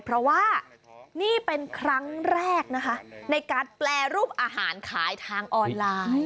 เพราะว่านี่เป็นครั้งแรกนะคะในการแปรรูปอาหารขายทางออนไลน์